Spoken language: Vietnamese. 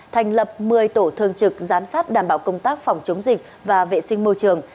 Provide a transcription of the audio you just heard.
thành lập một mươi tổ thường trực giám sát đảm bảo công tác phòng chống dịch và vệ sinh môi trường